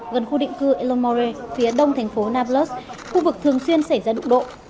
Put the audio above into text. gần khu định cư elamore phía đông thành phố nablus khu vực thường xuyên xảy ra đụng độ